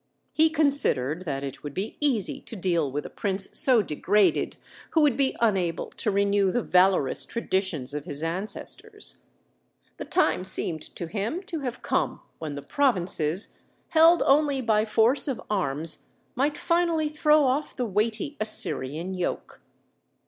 He considered that it would be easy to deal with a prince so degraded, who would be unable to renew the valorous traditions of his ancestors. The time seemed to him to have come when the provinces, held only by force of arms, might finally throw off the weighty Assyrian yoke.